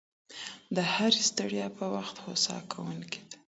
د هري ستړيا پر وخت هوسا کوونکې ده